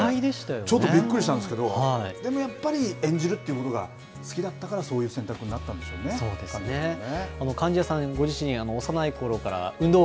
ちょっとびっくりしたんですけど、でもやっぱり演じるっていうことが好きだったからそういうそうですね。